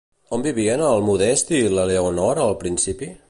On vivien el Modest i l'Eleonor al principi?